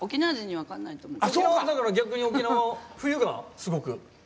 だから逆に沖縄は冬がすごく。